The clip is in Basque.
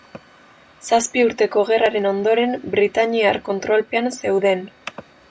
Zazpi Urteko Gerraren ondoren, britainiar kontrolpean zeuden.